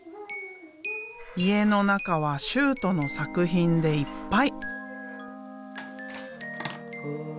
家の中は修杜の作品でいっぱい。